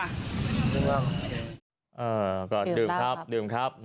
ก่อนดื่มครับดื่มครับ